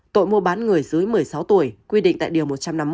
tội mua bán người dưới một mươi sáu tuổi quy định tại điều một trăm năm mươi một